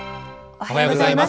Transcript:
おはようございます。